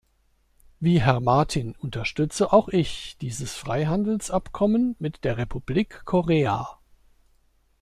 Wie Herr Martin unterstütze auch ich dieses Freihandelsabkommen mit der Republik Korea.